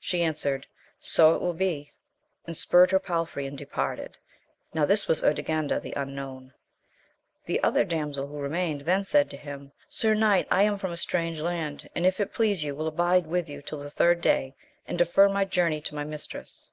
She answered. So it wiU be,— and spurred her palfrey, and departed. Now this was Urganda the Unknown. The other damsel who remained, then said to him. Sir knight, I am from a strange land, and, if it please you, will abide with you till the third day, and defer my journey to my mistress.